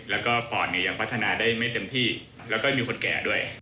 แล้วก็ปอดเนี่ยยังพัฒนาได้ไม่เต็มที่แล้วก็มีคนแก่ด้วย